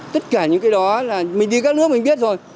tất cả những cái đó là mình đi các nước mình biết rồi